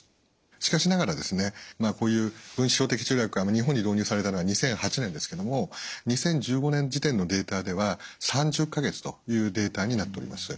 しかしながらですねまあこういう分子標的治療薬が日本に導入されたのは２００８年ですけども２０１５年時点のデータでは３０か月というデータになっております。